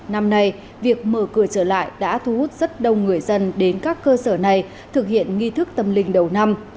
năm nay việc mở cửa trở lại đã thu hút rất đông người dân đến các cơ sở này thực hiện nghi thức tâm linh đầu năm